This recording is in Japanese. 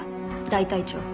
大隊長。